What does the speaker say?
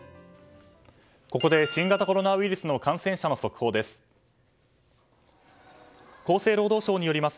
ここで新型コロナウイルスの感染者の速報です。